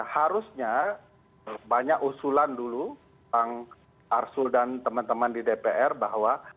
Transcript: harusnya banyak usulan dulu bang arsul dan teman teman di dpr bahwa